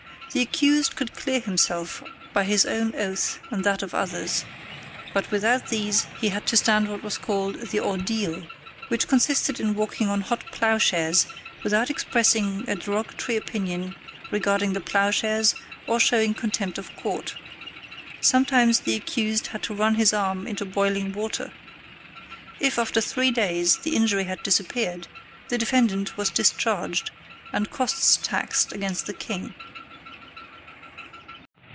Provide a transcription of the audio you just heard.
The accused could clear himself by his own oath and that of others, but without these he had to stand what was called the "ordeal," which consisted in walking on hot ploughshares without expressing a derogatory opinion regarding the ploughshares or showing contempt of court. Sometimes the accused had to run his arm into boiling water. If after three days the injury had disappeared, the defendant was discharged and costs taxed against the king.